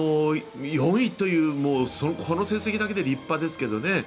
４位というこの成績だけで立派ですけどね。